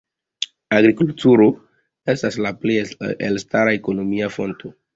Agrikulturo estas la plej elstara ekonomia fonto.